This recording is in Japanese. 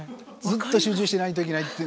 ずっと集中しないといけないって。